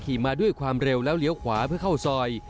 มาด้วยความเร็วแล้วเลี้ยวขวาเพื่อเข้าซอย